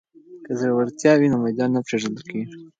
که زړورتیا وي نو میدان نه پریښودل کیږي.